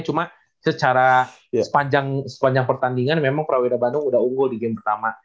cuma secara sepanjang pertandingan memang prawira bandung udah unggul di game pertama